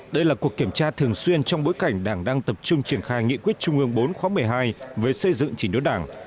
đây là cuộc kiểm tra thường xuyên trong bối cảnh đảng đang tập trung triển khai nghị quyết trung ương bốn khóa một mươi hai về xây dựng chỉnh đốn đảng